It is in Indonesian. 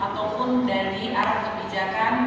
ataupun dari arah kebijakan